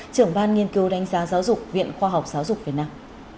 trưởng ban nghiên cứu đánh giá giáo dục viện khoa học giáo dục việt nam